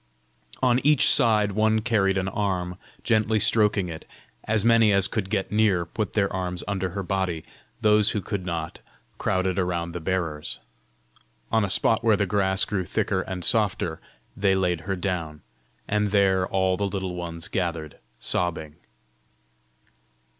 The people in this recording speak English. On each side one carried an arm, gently stroking it; as many as could get near, put their arms under her body; those who could not, crowded around the bearers. On a spot where the grass grew thicker and softer they laid her down, and there all the Little Ones gathered sobbing.